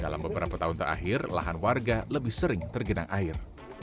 dalam beberapa tahun terakhir lahan warga lebih sering tergenang air